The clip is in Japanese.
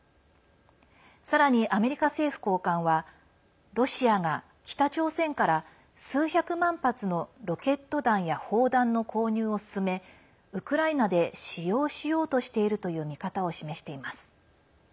さらにアメリカ政府高官はロシアが北朝鮮から数百万発のロケット弾や砲弾の購入を進めウクライナで使用しようとしているという見方を示しています。